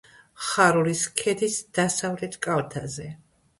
ხარულის ქედის დასავლეთ კალთაზე.